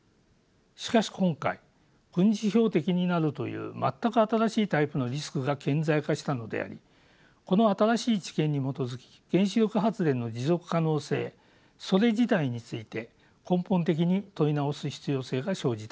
しかし今回軍事標的になるという全く新しいタイプのリスクが顕在化したのでありこの新しい知見に基づき原子力発電の持続可能性それ自体について根本的に問い直す必要性が生じたわけです。